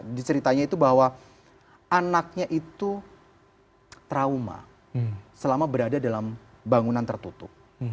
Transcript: jadi ceritanya itu bahwa anaknya itu trauma selama berada dalam bangunan tertutup